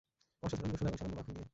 অসাধারণ রসুন এবং সামান্য মাখন দিয়ে?